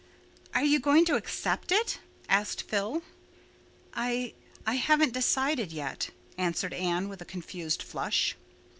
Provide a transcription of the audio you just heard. "Are you going to accept it?" asked Phil. "I—I haven't decided yet," answered Anne, with a confused flush.